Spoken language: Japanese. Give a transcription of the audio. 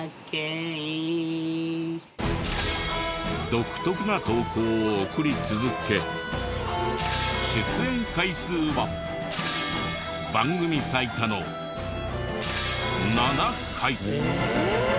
独特な投稿を送り続け出演回数は番組最多の７回！